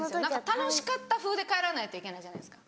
楽しかったふうで帰らないといけないじゃないですか。